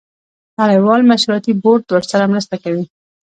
نړیوال مشورتي بورډ ورسره مرسته کوي.